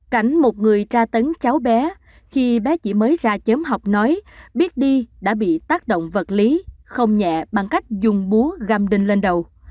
cảnh một người tra tấn cháu bé khi bé chỉ mới ra chém học nói biết đi đã bị tác động vật lý không nhẹ bằng cách dùng búa gam đinh lên đầu